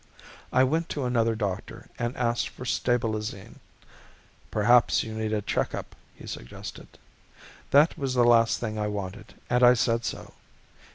I went to another doctor and asked for Stabilizine. "Perhaps you need a checkup," he suggested. That was the last thing I wanted and I said so.